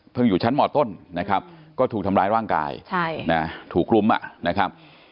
อยู่ชั้นมต้นนะครับก็ถูกทำร้ายร่างกายถูกรุมนะครับ